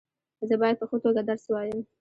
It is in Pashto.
زه باید په ښه توګه درس وایم.